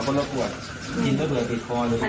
อ่ะคือผมแล้วก็ละกว่ายินก็เผื่อติดคอเลย